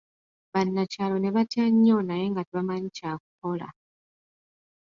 Banakyalo ne batya nnyo naye nga tebamanyi ky'akukola.